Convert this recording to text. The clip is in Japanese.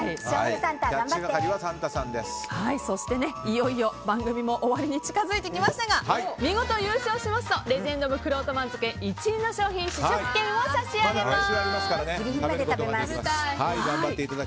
そしていよいよ番組も終わりに近づいてきましたが見事優勝しますとレジェンド・オブ・くろうと番付１位の商品試食券を差し上げます。